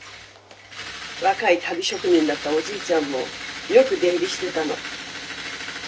若い足袋職人だったおじいちゃんもよく出入りしてたの。